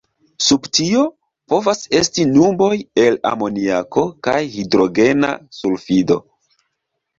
Sub tio, povas esti nuboj el amoniako kaj hidrogena sulfido.